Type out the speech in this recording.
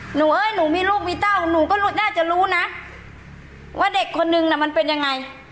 เอ้ยหนูมีลูกมีเต้าหนูก็น่าจะรู้นะว่าเด็กคนนึงน่ะมันเป็นยังไง